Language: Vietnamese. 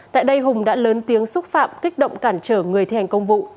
tại đây hùng đã lớn tiếng xúc phạm kích động cản trở người thi hành công vụ